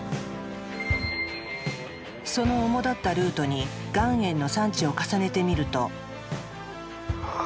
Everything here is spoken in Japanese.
そのおもだったルートに岩塩の産地を重ねてみると。